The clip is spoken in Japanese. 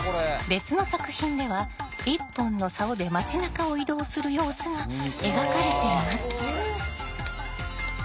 別の作品では１本のさおで町なかを移動する様子が描かれています。